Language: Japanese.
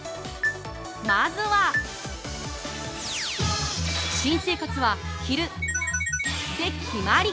まずは新生活は着る○○で決まり！